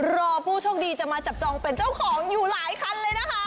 รอผู้โชคดีจะมาจับจองเป็นเจ้าของอยู่หลายคันเลยนะคะ